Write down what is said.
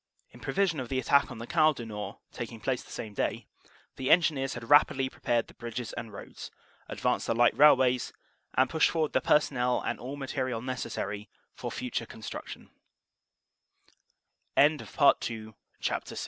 "In prevision of the attack on the Canal du Nord taking place the same day, the Engineers had rapidly prepared the bridges and roads, advanced the light railways, and pushed forward the personnel and all material necessary for future construction." CHAPTER VII OPERATIONS: SEPT.